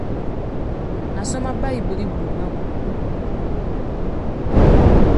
Asoma bayibuli buli lunaku.